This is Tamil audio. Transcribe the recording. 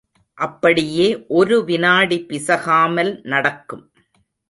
அப்படியே ஒரு விநாடி பிசகாமல் நடக்கும்.